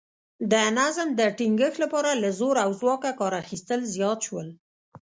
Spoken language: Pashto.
د نظم د ټینګښت لپاره له زور او ځواکه کار اخیستل زیات شول